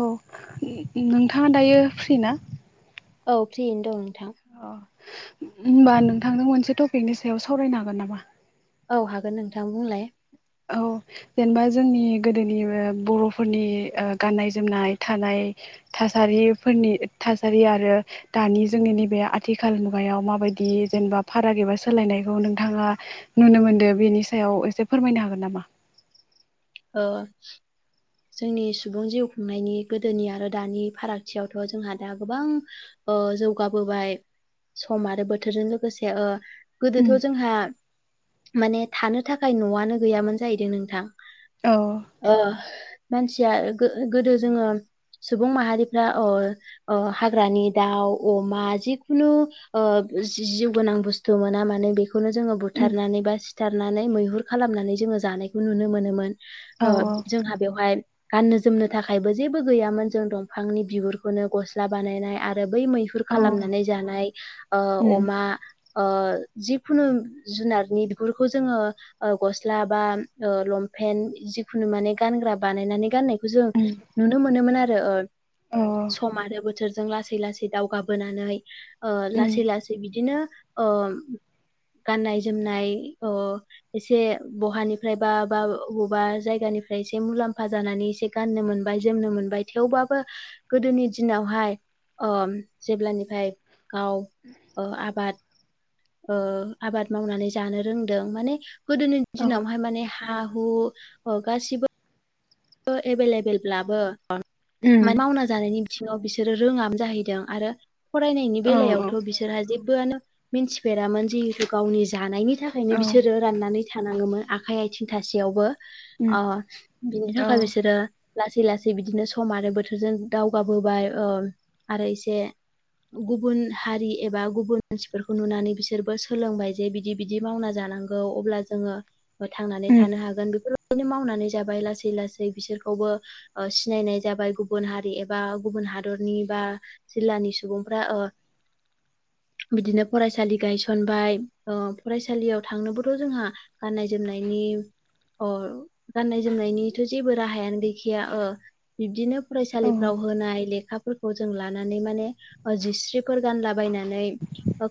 औ नोंथाङा दायो फ्रिना? औ फ्रियैनो दं नोंथां। अ होनोमबा नोंथांजों मोनसे टपिकनि सायाव सावरायनो हागोन नामा? औ हागोन नोंथां बुंलाय औ। जेनेबा जोंनि गोदोनि बर'फोरनि ओ गाननाय जोमनाय थानाय थासा थासारिफोरनि थासारि आरो दानि जोंनि नैबे आथिखाल मुगायाव माबायदि जेनेबा फाराग एबा सोलायनायखौ नोंथाङा नुनो मोनदो बेनि सायाव एसे फोरमायनो हागोन नामा? औ। जोंनि सुबुं जिउ खुंनायनि गोदोनि आरो दानि फारागथियावथ' जोंहा दा गोबां ओ जौगाबोबाय। सम आरो बोथोरजों लोगोसे ओ गोदोथ' जोंहा माने थानो थाखाय न'आनो गैयामोन जाहैदों नोंथां। औ ओ। मानसिया गो-गोदो जोङो सुबुं माहारिफ्रा ओ ओ हाग्रानि दाउ अमा जिखुनु ओ जि-जिउ गोनां बुस्थु मोना मानोे बेखौ बेखौनो जोङो औ बुथारनानै बा सिथारनानै मैहुर खालामनानै जोङो जानायखौ नुनो मोनोमोन। औ ओ जोंहा बेवहाय गाननो जोमनो थाखायबो जेबो गैयामोन जों दंफांनि बिगुरखौनो गस्ला बानायनाय आरो बै मैहुर औ खालामनानै जानाय औ ओ अमा ओ जिखुनु जुनारनि बिगुरखौ जोङो ओ गस्ला बा ओ लंपेन जिखुनु माने गानग्रा बानायनानै गाननायखौ जों नुनो मोनोमोन आरो, औ सम आरो बो बिसोरजों लासै लासै दावगाबोनानै ओ लासै लासै बिदिनो ओ गाननाय जोमनाय अ एसे बहानिफ्राय बा बा बबेबा जायगानि फ्राय इसे मुलामफा फा जानानै एसे गाननो मोनबाय जोमनो मोनबाय थेवबाबो गोदोनि दिनावहाय ओ जेब्लानिफ्राय गाव ओ आबाद ओ आबाद मावनानै जानो रोंदों माने गोदोनि दिनावहाय माने हा हु ओ गासिबो एभेलेबेलब्लाबो मा-मावना जानायनि बिङाव बिसोरो रोङामोन जाहैदों आरो फरायनायनि औ औ बेलायावथ' बिसोरहा जेबोआनो मिन्थिफेरामोन जिहेथु गावनि जानायनि थाखायनो बिसोरो राननानै थानाङोमोन आखाइ आथिं थासि थासेयावबो औ ओ बिनि थाखाय बिसोरो- लासै लासै बिदिनो सम आरो बोथोरजों दावगाबोबाय ओ आरो एसे गुबुन हारि एबा गुबुन मानसिफोरखौ नुनानै बिसोरबो सोलोंबाय जे बिदि बिदि मावना जा नांगौ अब्ला जोङो थांनानै थानो हागोन बेफोरबायदिनो मावनानै जाबाय लासै लासै बिसोरखौबो ओ सिनाय नाय जाबाय गुबुन हारि एबा गुबुन हादरनि बा जिल्ला नि सुबुंफ्रा ओ- [inaudible] बिदिनो फरायसालि गायसनबाय ओ फरायसालियाव थांनोबोथ' जोंहा गाननाय जोमनायनि गाननाय जोमनायनि थ' जेबो राहायानो गैखाया ओ बिबदिनो फरायसालिफ्राव होनाय लेखा फोरखौ जों लानानै माने जिस्रिफोर गानला बायनानै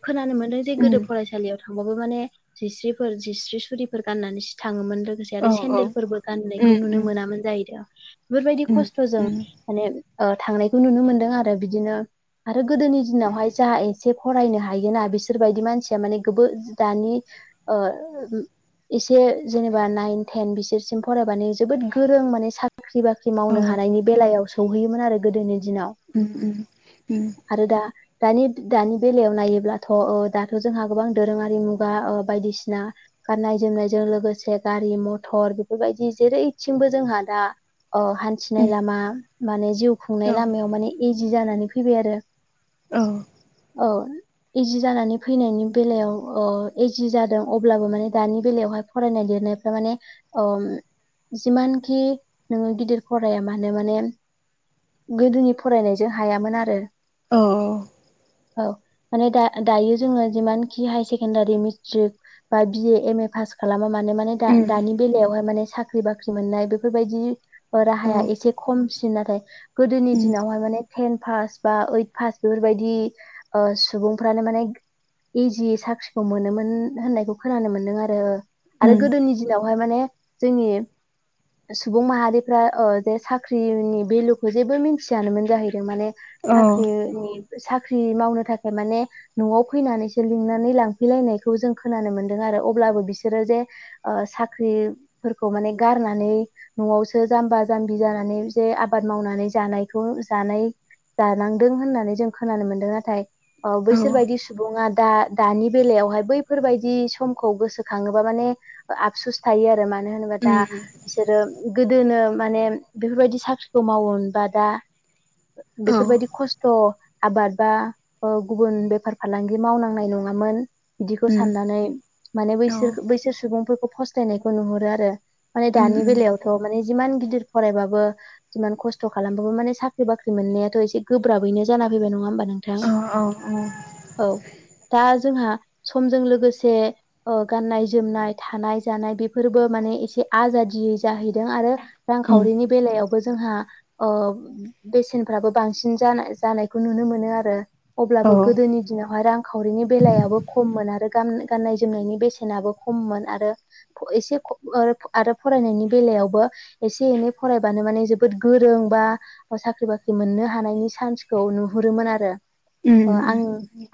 खोनानो मोनदों जे गोदो फरायसालियाव थांबाबो माने जिस्रिफोर जिस्रि सुरिफोर गाननानैसो थाङोमोन। लोगोसे आरो सेन्देलफोरबो गाननाय नुनो मोनामोन जाहैदों बेफोरबायदि खस्थ'जों माने ओ थांनायखौ नुनो मोनदों आरो बिदिनो आरो गोदोनि दिनावहाय जा एसे फरायनो हायोना बिसोर बादि मानसिया माने गोबो दानि ओ एसे जेनेबा नाइन थेन बिसोरसिम फरायबानो जोबोद गोरों माने साख्रि बाख्रि मावनो हानायनि बेलायाव सौहैयोमोन आरो गोदोनि दिनाव ओम ओम ओ आरो दा दानि दानि बेलायाव नायोब्लाथ' ओ दाथ' जोंहा गोबां दोरोङारि मुगा ओ बायदिसिना गाननाय जोमनायजों लोगोसे गारि मथर बेफोरबायदि जेरै- थिंबो जोंहा दा ओ हान्थिनाय लामा माने जिउ खुंनाय लामायाव माने जि जानानै फैबाय आरो औ औ इजि जानानै फैनायनि बेलायाव ओ इजि जादों अब्लाबो माने दानि बेलायावहाय फरायनाय देरनाय थार माने ओम जिमानखि नोङो गिदिर फराया मानो माने- गोदोनि फरायनायजों हायामोन आरो- औ औ माने दा दायो जोङो जिमानखि हाय सेकेण्डारि मेट्रिक बा बिए एम ए फा फास खालामा मानो माने दानि बेलायावहाय माने साख्रि बाख्रि मोननाय बेफोरबायदि राहाया एसे खम- सिन नाथाय गोदोनि दिनावहाय माने टेन पास बा ओइथ पास बेफोरबायदि ओ सुबुंफ्रानो माने एजि साख्रिखौ मोनोमोन होननायखौ खोनानो मोन्दों आरो आरो गोदोनि दिनावहाय माने जोंनि [inaudible] सुबुं माहारिफ्रा ओ जे साख्रिनि भेलुखौ जेबो मिथियानोमोन जाहैदों माने साख्रिनि साख्रि मावनो थाखाय माने न'आव फैनानैसो लिंनानै लांफैलायनायखौ जों खोनानो मोनदों आरो अब्लाबो बिसोरो जे ओ साख्रिफोरखौ माने गारनानै न'आवसो जाम्बा जाम्बि जानानै जे आबाद मावनानै जानायखौ जानाय जानांदों होननानै जों खोनानो मोनदों नाथाय ओ बैसोर बादि सुबुङा दा दानि बेलायावहाय बैफोरबायदि समखौ गोसोखाङोबा माने आ आफसुस थायो आरो मानो होनोब्ला दा दा बिसोरो गोदोनो माने बेफोरबायदि साख्रिखौ मावोमोनबा दा बेफोरबायदि खस्थ' आबाद बा गुबुन बेफार फालांगि मावनांनाय नङामोन बिदिखौ साननानै माने बैसोर बैसोर सुबुंफोरखौ फसथायनायखौ नुहुरो आरो माने दानि बेलायावथ' माने जिमान गिदिर फरायबाबो जिमान खस्थ' खालामबाबो माने साख्रि बाख्रि मोननायाथ' एसे गोब्राबैनो जाना फैबाय नङा होमबा नोंथां औ दा जोंहा समजों लोगोसे ओ गाननाय जोमनाय थानाय जानाय बेफोरबो माने एसे आजादियै जाहैदों आरो रांखावरिनि बेलायाव जोंहा ओ बेसेनफ्राबो बांसिन जानाय- जानायखौ नुनो मोनो आरो अब्लाबो गोदोनि दिनावहाय रां खावरिनि बेलायाबो खममोन आरो गान-गाननाय जोमनायनि बेसेनाबो खममोन आरो एसे ओ आरो फरायनायनि बेलायावबो एसे एनै फरायबानो माने जोबोद गोरों बा साख्रि बाख्रि मोननो हानायनि चान्सखौ नुहुरोमोन आरो अ आङो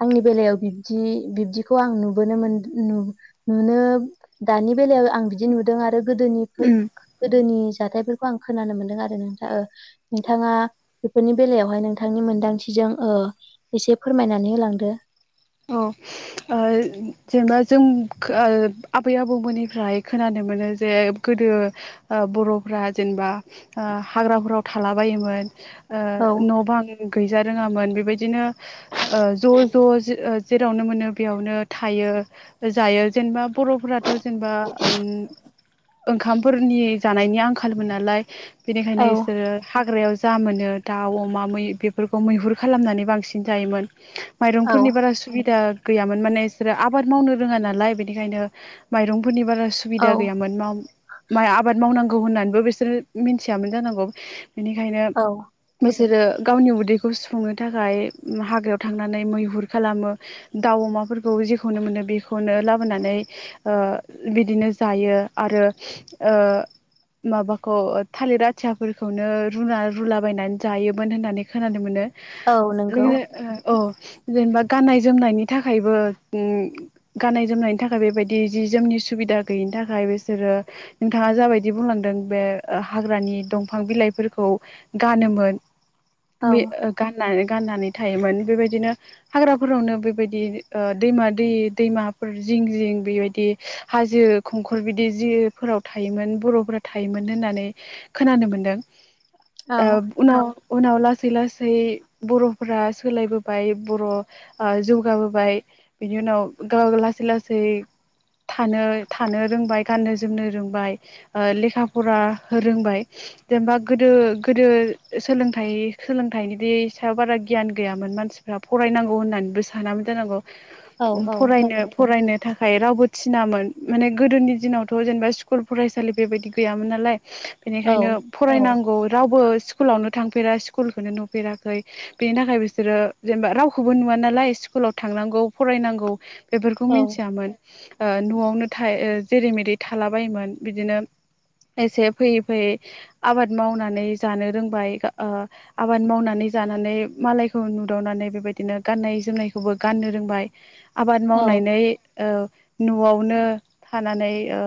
आंनि बेलायाव बिबदि बिब्दिखौ आं नुबोनो मोन नुनो दानि बेलायाव आं बिदि नुदों आरो गोदोनिखो उम गोदोनि जाथायफोरखौ आं खोनानो मोनदों आरो नोंथा ओ नोंथाङा बेफोरनि बेलायावहाय नोंथांनि मोनदांथिजों ओ एसे फोरमायनानै होलांदो अ ओ जेनेबा जों आबै आबौमोननिफ्राय खोनानो मोनो जे गोदो ओ बर'फ्रा जेनेबा ओ हाग्राफोराव थाला बायोमोन ओ औ न' बां गैजा रोङामोन बेबायदिनो ओ ज' ज' जेरावनो मोनो बेयावनो थायो जायो जेनेबा बर'फोराथ' जेनेबा उम ओंखामफोरनि जानायनि आंखालमोन नालाय बेनिखायनो औ बिसोर हाग्रायाव जा मोनो दाउ अमा मै बेफोरखौ मैहुर खालामनानै बांसिन जायोमोन औ नि बारा सुबिदा गैयोन माने बिसोरा आबाद मावनो रोङ नालाय बेनिखायनो माइरं नि बारा औ सुबिदा गैयामोन नङा माइ आबाद मावनांगौ होननानैबो बिसोरो मिनथियामोन जानांगौ बेनिखायनो औ जेरो गावनि उदैखौ सुफुंनो थाखाय हाग्रायाव थांनानै मैहुर खालामो दाउ अमाफोरखौ जेखौनो मोनो बेखौनो लाबोनानै ओ बिदिनो जायो आरो ओ माबाखौ थालिर आथियाफोरखौनो रुना रुलाबायायनानै जायोमोन होननानै खोनानो मोनो औ नोंगौ लोगोसे औ जेनेबा गाननाय जोमनायनि थाखायबो उम गाननाय जोमनायनि थाखाय बेबायदि जि जोमनि सुबिदा गैयिनि थाखाय बिसोरो नोंथाङा जाबायदि बुंलांदों बे हाग्रानि दंफां बिलाइफोर खौ गानोमोन औ बे गाननानै थायोमोन बेबायदिनो हाग्राफोरावनो बेबायदि ओ दैमा दै दैमाफोर जिं जिं बेबायदि हाजो खंखर बिदि जिफोराव थायोमोन बर'फोरा थायोमोन होननानै खोनानो मोन्दों औ ओ उनाव उनाव लासै लासै बर'फोरा सोलायबोबाय बर' ओ जौगाबोबाय बिनि उनाव गाव लासै लासै थानो थानो रोंबाय गाननो जोमनो रोंबाय ओ लेखा फरा रोंबाय जेनेबा गोदो गोदो सोलोंथाइ सोलोंथाइनि सायाव बारा गियान गैयामोन मानसिफोरा फरायनांगौ होननानैबो सानबो औ जानांगौनो औ फरायनो फरायनो थाखाय रावबो थिनामोन माने गोदोनि दिनावथ' जेनेबा स्कुल फरायसालि बेबायदि गैयामोन नालाय औ बेनिखायनो फरायनांगौ रावबो स्कुलावनो थांफेरा स्कुलखौनो नुफेराखै बिनि थाखाय बिसोरो जेनेबा राव खौबो नुवा नालाय स्कुलाव थांनांगौ फरायनांगौ बेफोरखौ औ मिनथियामोन ओ न'आवनो थायो ओ जेरै मेरै थालाबायोमोन बिदिनो एसे फैयै फैयै आबाद मावनानै जानो रोंबाय ओ आबाद मावनानै जानानै मालायखौ नुदावनानै बेबाय- दिनो गाननाय जोमनायखौबो गाननो रोंबाय आबाद औ मावनानै ओ न'आवनो थानानै ओ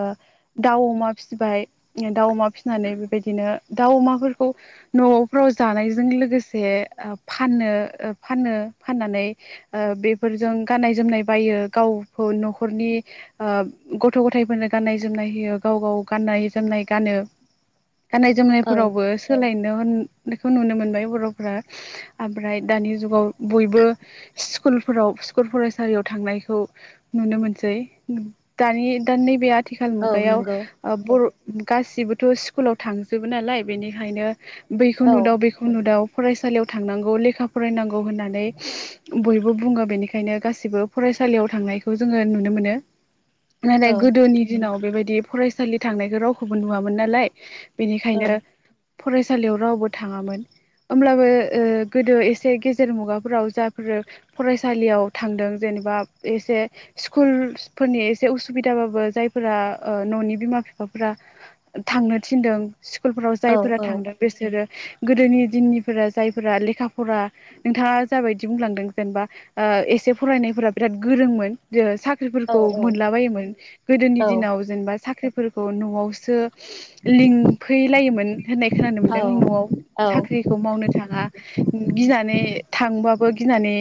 दाउ अमा फिसिबाय दाउ अमा फिसिनानै बे बिदिनो दाउ अमाफोरखौ न'फ्राव जानायजों लोगोसे फाननो फानो फाननानै ओ बेफोरजों गाननाय जोमनाय बायो गावखौ न'खरनि ओ गथ' गथायफोरनो गाननाय जोमनाय होयो गाव गाव गाननाय जोमनाय गानो गाननाय औ जोमनायफोरावबो सोलायनो बेखौ नुनो मोनबाय बर'फोरा ओमफ्राय दानि जुगाव बयबो स्कुलफोराव स्कुल फरायसालियाव थांनायखौ नुनो मोनसै दानि दा नैबे आथिखाल औ मुगायाव नंगौ ओ बर' गासिबोथ' स्कुलाव थांजोबो नालाय बेनिखायनो बैखौ औ नुदाव बेखौ नुदाव फरायसालियाव थांनांगौ लेखा फरायनांगौ होननानै बयबो बुङो बेनिखायनो गासिबो फरायसालियाव थांनायखौ जोङो नुनो मोनो नालाय औ गोदोनि दिनाव बेबायदि फरायसालि थांनायखौ रावखौबो नुवामोन नालाय औ बेनिखायनो फरायसालियाव रावबो थाङामोन होमब्लाबो ओ गोदो एसे गेजेर मुगा फोराव जायफोर फरायसालियाव थांदों जेनेबा एसे स्कुल फोरनि एसे बे उसुबिदाबाबो जायफोरा न'नि बिमा बिफाफोरा थांनो थिनदों स्कुलफोराव औ जायफोरा थांदों बिसोरो गोदोनि दिननिफोरा जायफोरा लेखा फरा नोंथाङा जाबायदि बुंलांदों जेनेबा एसे फरायनायफोरा बिराद गोरोंमोन ज औ साख्रिफोरखौ औ मोनलाबायायोमोन गोदोनि औ दिनाव जेनेबा साख्रिफोरखौ न'आवसो [unintelligible] लिंफैलायोमोन होननाय खोनानो औ मोन्दों न'आव औ साख्रिखौ मावनो थाङा गिनानै थांबाबो गिनानै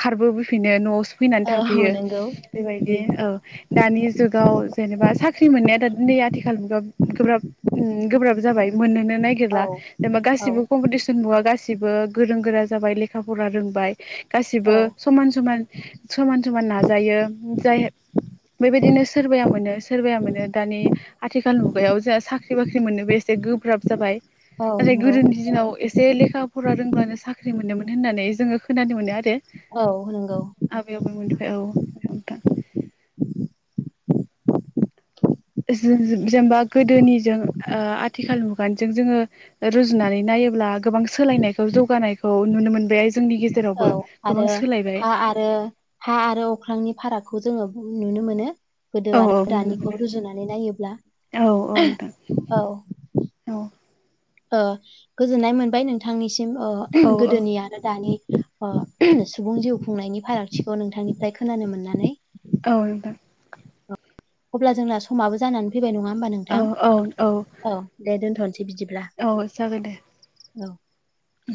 खारबोफैफिनो न'आव फैनानै औ थाफैयो नंगौ बेबायदि औ दानि जुगाव जेनेबा साख्रि मोननाया नै आथिखाल मुगा गोब्राब उ गोब्राब जाबाय मोननोनो औ नागिरला जेनेबा औ गासिबो कम्पिटिसन मुगा गासिबो गासिबो गोरों गोरा जाबाय लेखा फरा रोंबाय औ गासिबो समान समान समान समान नाजायो जाय बेबायदिनो सोरबाया मोनो सोरबाया मोनो दानि आथिखाल मुगायाव जोंहा साख्रि बाख्रि मोननो बेसे गोब्राब जाबाय औ नाथाय नंगौ गोदोनि दिनाव एसे लेखा फरा रोंब्लानो साख्रि साख्रि मोनोमोन होननानै जोङो खोनानो मोनो आरो औ नंगौ आबै आबौ मोननिफ्राय औ नोंथां [unintelligible] जों जेनेबा गोदोनिजों ओ आथिखाल मुगजों जोंओ रुजुनानै नायोब्ला गोबां सोलायनायखौ जौगानायखौ नुनो मोनबाय जोंनि औ गेजेरावबो गोबां आरो सोलायबाय हा आरो हा आरो अख्रांनि फाराग बेखौ जोङो नुनो मोनो गोदो औ आरो औ नुनो रानिखौ मोनो रुजुनानै नायोब्ला औ औ नोंथां औ औ ओगोजोननाय मोनबाय नोंथांनिसिम औ गोदोनि आरो दानि अ सुबुं जिउ खुंनायनि फारागथिखौ नोंथांनिफ्राय खोनानो मोननानै औ औ नोंथां अब्ला जोंना समाबो जानानै फैबाय नङा होमबा औ नोंथां औ औ औ दे दोनथ' औ जागोन दे औ' उ